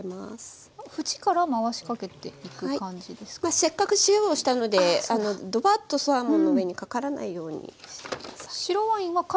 まあせっかく塩をしたのでどばっとサーモンの上にかからないようにして下さい。